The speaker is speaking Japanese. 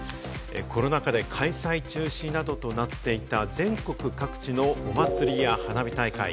コロナ禍で開催中止などとなっていた全国各地のお祭りや花火大会。